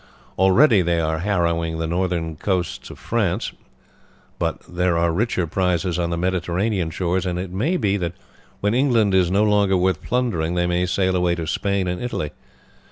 Already they are harrying the northern coasts of France, but there are richer prizes on the Mediterranean shores, and it may be that when England is no longer worth plundering they may sail away to Spain and Italy.